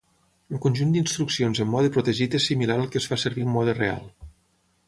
El conjunt d'instruccions en mode protegit és similar al que es fa servir en mode real.